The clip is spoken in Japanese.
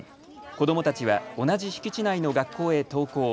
子どもたちは同じ敷地内の学校へ登校。